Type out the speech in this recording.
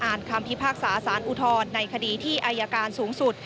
อ่านคำพิพากษาศาลอุทธศนในคดีที่อายาการสูงสุด